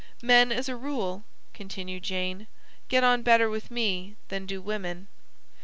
"Men as a rule," Continued Jane, "get on better with me than do women.